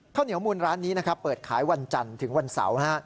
ข้าวเหนียวมูลร้านนี้นะครับเปิดขายวันจันทร์ถึงวันเสาร์